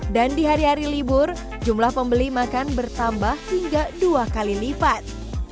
dan di hari hari libur jumlah pembeli makan bertambah hingga dua kali lipat